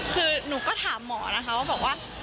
คือหนูก็ถามหมอนะคะบอกว่า